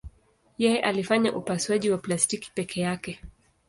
Yeye alifanya upasuaji wa plastiki peke yake.